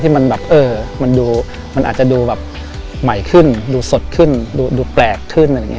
ที่มันอาจจะดูใหม่ขึ้นดูสดขึ้นดูแปลกขึ้น